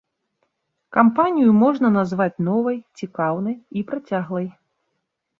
Кампанію можна назваць новай, цікаўнай, і працяглай.